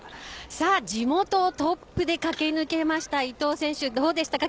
地元トップで駆け抜けました伊藤選手どうでしたか？